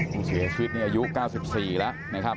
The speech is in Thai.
คุณเสียชีวิตเเนี้ยอายุเก้าสิบสี่ล่ะนะครับ